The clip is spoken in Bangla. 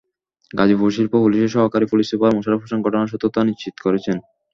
গাজীপুর শিল্প পুলিশের সহকারী পুলিশ সুপার মোশাররফ হোসেন ঘটনার সত্যতা নিশ্চিত করেছেন।